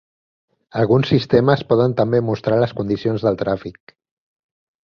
Alguns sistemes poden també mostrar les condicions del tràfic.